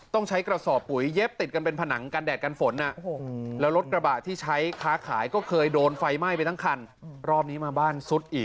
ต้องใช้กระสอบปุ๋ยเย็บติดกันเป็นผนังกันแดดกันฝน